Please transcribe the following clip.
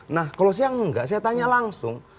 nah kalau siang enggak saya tanya langsung